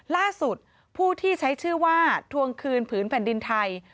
ผู้ที่ใช้ชื่อว่าทวงคืนผืนแผ่นดินไทย